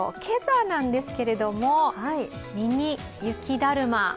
今朝なんですけれども、ミニ雪だるま。